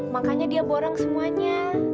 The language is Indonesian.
makanya dia borong semuanya